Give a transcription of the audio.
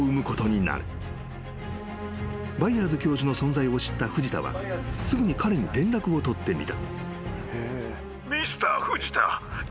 ［バイヤーズ教授の存在を知った藤田はすぐに彼に連絡を取ってみた］